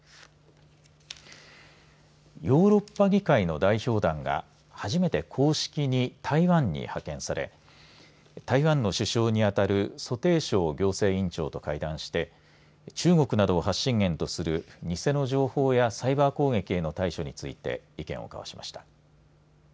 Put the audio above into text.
ヨーロッパ議会の代表団が初めて公式に台湾に派遣され台湾の首相にあたる蘇貞昌行政院長と会談して中国などを発信源とする偽の情報やサイバー攻撃への対処について意見を交わしました。